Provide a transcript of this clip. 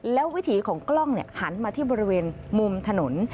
แล้ววิถีของกล้องหันมาที่บริเวณมุมถนน